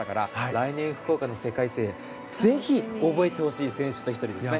来年、福岡の世界水泳にぜひ、覚えてほしい選手の１人ですね。